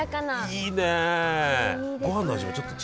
いいね。